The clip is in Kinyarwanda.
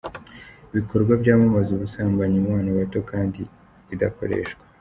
bikorwa byamamaza ubusambanyi mu bana bato kandi idakoresha.